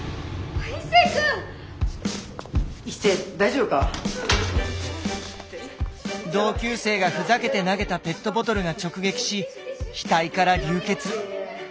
壱誠大丈夫か⁉同級生がふざけて投げたペットボトルが直撃し額から流血。